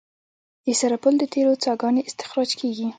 د سرپل د تیلو څاګانې استخراج کیږي